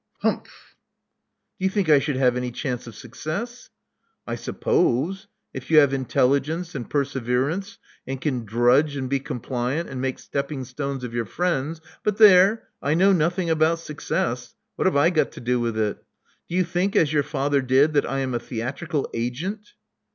"Humph!" "Do you think I should have any chance of success?" "I suppose, if you have intelligence and persever ance, and can drudge and be compliant, and make stepping stones of your friends — but there! I know nothing about success. What have I got to do with it? Do you think, as your father did, that I am a theatrical agent?"